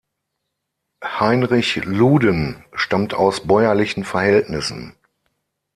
Heinrich Luden stammt aus bäuerlichen Verhältnissen.